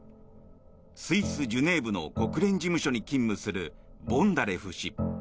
スイス・ジュネーブの国連事務所に勤務するボンダレフ氏。